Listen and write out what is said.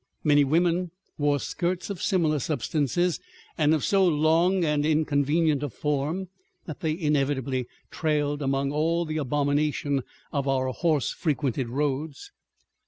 Many women wore skirts of similar substances, and of so long and inconvenient a form that they inevitably trailed among all the abomination of our horse frequented roads.